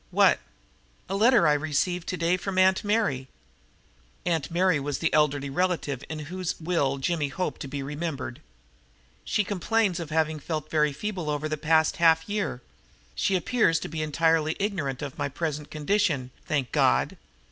"What?" "A letter I received today from Aunt Mary." Aunt Mary was the elderly relative in whose will Jimmy hoped to be remembered. "She complains of having felt very feeble for the past half year. She appears to be entirely ignorant of my present condition, thank God.